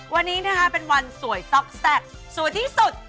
วันนี้นะคะเป็นวันสวยต๊อกแซ่บสวยที่สุด